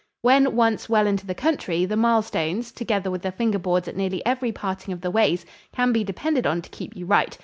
When once well into the country, the milestones, together with the finger boards at nearly every parting of the ways, can be depended on to keep you right.